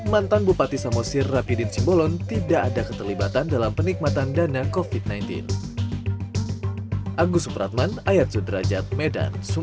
mantan bupati samosir rapi din simbolon tidak ada keterlibatan dalam penikmatan dana covid sembilan belas